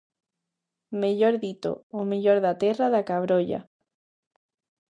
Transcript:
Mellor dito: o mellor da terra da que abrolla.